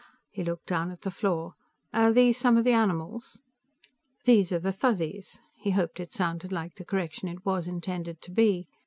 He looked down at the floor. "Are these some of the animals?" "These are the Fuzzies." He hoped it sounded like the correction it was intended to be.